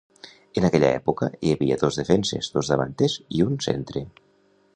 En aquella època hi havia dos defenses, dos davanters i un centre.